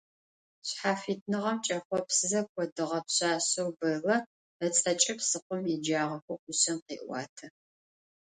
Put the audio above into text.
Шъхьафитныгъэм кӏэхъопсызэ кӏодыгъэ пшъашъэу Бэллэ ыцӏэкӏэ псыхъом еджагъэхэу хъишъэм къеӏуатэ.